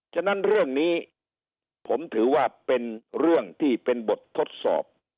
ฉะนั้นเรื่องนี้ผมถือว่าเป็นเรื่องที่เป็นบททดสอบ